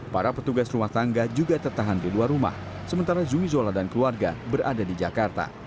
para petugas rumah tangga juga tertahan di luar rumah sementara zumi zola dan keluarga berada di jakarta